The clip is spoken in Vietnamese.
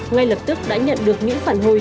ngay lập tức đã nhận được những phản hồi